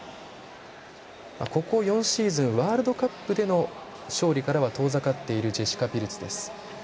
ここ４シーズンワールドカップでの勝利からは遠ざかっているジェシカ・ピルツです。